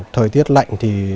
thời tiết lạnh thì